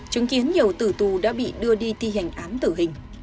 chứng kiến nhiều tử tù đã bị đưa đi thi hành án tử hình